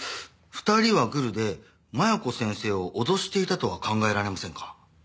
２人はグルで麻弥子先生を脅していたとは考えられませんか？